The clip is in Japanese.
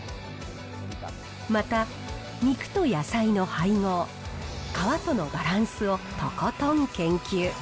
また、肉と野菜の配合、皮とのバランスをとことん研究。